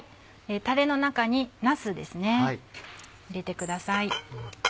タレの中になす入れてください。